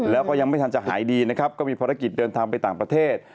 แล้วก็ยังไม่ทันจะหายดีนะครับก็มีภารกิจเดินทางไปต่างประเทศ